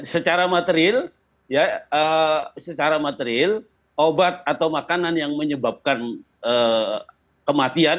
secara materil obat atau makanan yang menyebabkan kematian